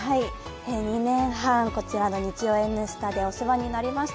２年半、こちらの日曜「Ｎスタ」でお世話になりました。